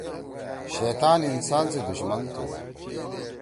شیطان انسان سی دشمن تُھو۔